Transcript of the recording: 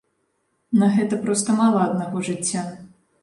На гэта проста мала аднаго жыцця.